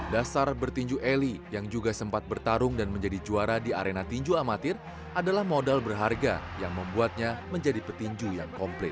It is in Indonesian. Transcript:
dasar bertinju eli yang juga sempat bertarung dan menjadi juara di arena tinju amatir adalah modal berharga yang membuatnya menjadi petinju yang komplit